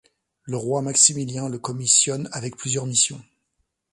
Le roi Maximilien le commissionne avec plusieurs missions.